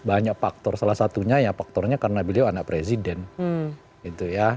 banyak faktor salah satunya ya faktornya karena beliau anak presiden gitu ya